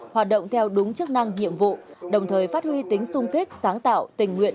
hoạt động theo đúng chức năng nhiệm vụ đồng thời phát huy tính sung kích sáng tạo tình nguyện